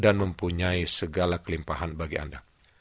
dan mempunyai segala kelimpahan bagi anda